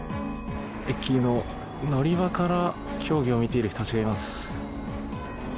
駅の乗り場から、競技を見ている人たちがいます。